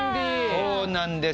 そうなんです